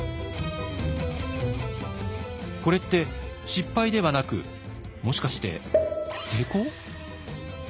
これって失敗ではなくもしかして成功？